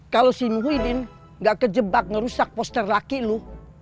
kalau si muhyiddin gak kejebak ngerusak poster laki lu